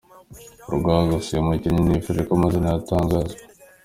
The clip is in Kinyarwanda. rw gusa uyu mukinnyi ntiyifuje ko amazina ye atangazwa.